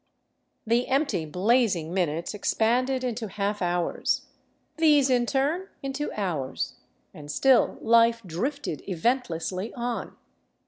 The empty, blazing minutes expanded into half hours; these in turn into hours, and still life drifted eventlessly on.